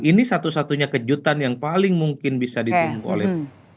ini satu satunya kejutan yang paling mungkin bisa ditunggu oleh